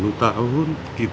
lalu tidak ada lagi yangurer